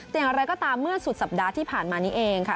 แต่อย่างไรก็ตามเมื่อสุดสัปดาห์ที่ผ่านมานี้เองค่ะ